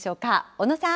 小野さん。